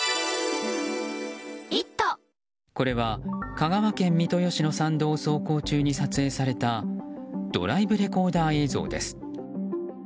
これは香川県三豊市の山道を走行中に撮影されたドライブレコーダー映像です。